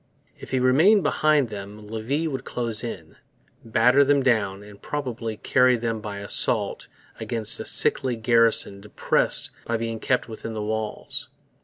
If he remained behind them Levis would close in, batter them down, and probably carry them by assault against a sickly garrison depressed by being kept within the walls.